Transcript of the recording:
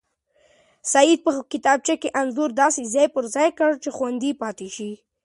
سعید په کتابچه کې انځور داسې ځای پر ځای کړ چې خوندي پاتې شي.